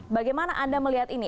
bagaimana anda melihat ini